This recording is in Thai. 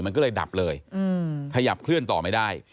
มันก็เลยดับเลยขยับเคลื่อนต่อไม่ได้